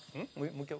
もう一回。